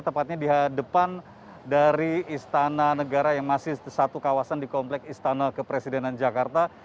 tepatnya di depan dari istana negara yang masih satu kawasan di komplek istana kepresidenan jakarta